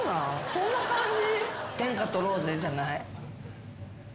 そんな感じ？